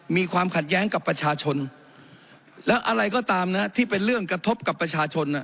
มีความขัดแย้งกับประชาชนแล้วอะไรก็ตามนะที่เป็นเรื่องกระทบกับประชาชน